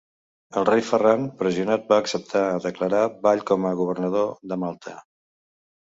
El rei Ferran pressionat va acceptar a declarar Ball com a governador de Malta.